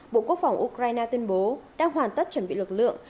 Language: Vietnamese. bộ quốc phòng ukraine tuyên bố đang hoàn tất chuẩn bị lực lượng